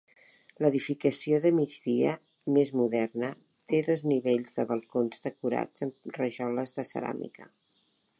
L'edificació de migdia, més moderna, té dos nivells de balcons decorats amb rajoles de ceràmica.